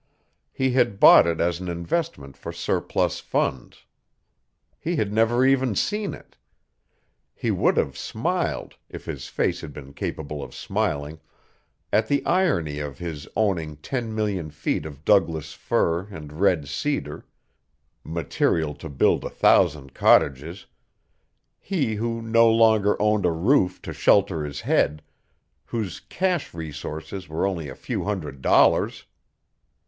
He had bought it as an investment for surplus funds. He had never even seen it. He would have smiled, if his face had been capable of smiling, at the irony of his owning ten million feet of Douglas fir and red cedar material to build a thousand cottages he who no longer owned a roof to shelter his head, whose cash resources were only a few hundred dollars.